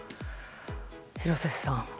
廣瀬さん。